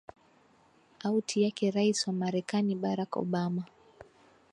auti yake rais wa marekani barack obama